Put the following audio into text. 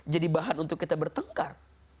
jadi bahan untuk kita bertengkar